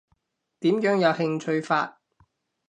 點樣有興趣法？